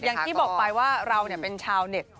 อย่างที่บอกไปว่าเราเป็นชาวเน็ต